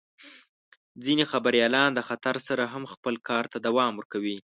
ځینې خبریالان د خطر سره هم خپل کار ته دوام ورکوي.